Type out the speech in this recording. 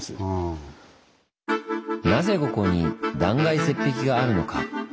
なぜここに断崖絶壁があるのか？